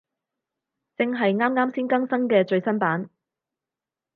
正係啱啱先更新嘅最新版